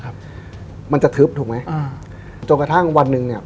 ครับมันจะทึบถูกไหมอ่าจนกระทั่งวันหนึ่งเนี้ย